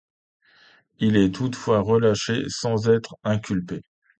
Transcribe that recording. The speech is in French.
Il est toutefois relâché sans être inculpé.